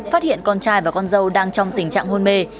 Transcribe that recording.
phát hiện con trai và con dâu đang trong tình trạng hôn mê